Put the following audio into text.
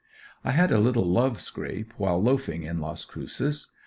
I had a little love scrape while loafing in Las Cruces.